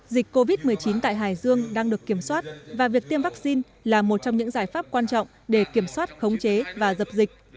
dịch covid một mươi chín tại hải dương đang được kiểm soát và việc tiêm vaccine là một trong những giải pháp quan trọng để kiểm soát khống chế và dập dịch